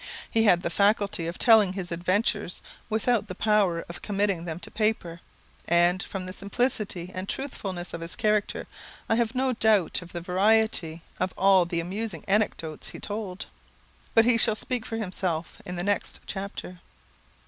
He had the faculty of telling his adventures without the power of committing them to paper; and, from the simplicity and truthfulness of his character, I have no doubt of the variety of all the amusing anecdotes he told. But he shall speak for himself in the next chapter.